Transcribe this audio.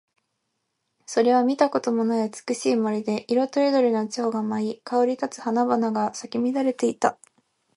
そこは見たこともない美しい森で、色とりどりの蝶が舞い、香り立つ花々が咲き乱れていた。